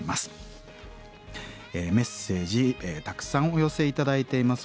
メッセージたくさんお寄せ頂いています。